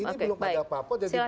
ini belum ada apa apa jadi bilang